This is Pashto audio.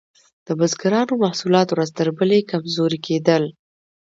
د بزګرانو محصولات ورځ تر بلې کمزوري کیدل.